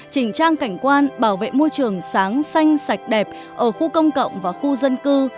chỉnh trang cảnh quan bảo vệ môi trường sáng xanh sạch đẹp ở khu công cộng và khu dân cư